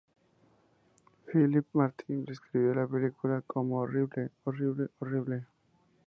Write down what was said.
Philip Martin describió la película como "horrible, horrible, horrible".